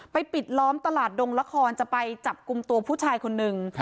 ปิดล้อมตลาดดงละครจะไปจับกลุ่มตัวผู้ชายคนนึง